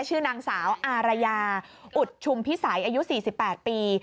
ชื่อนางสาวอารยาอุดชุมพิสัยอายุ๔๘ปี